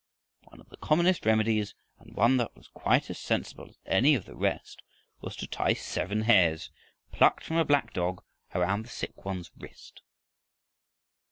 One of the commonest remedies, and one that was quite as sensible as any of the rest, was to tie seven hairs plucked from a black dog around the sick one's wrist.